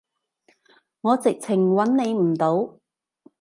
我直情揾你唔到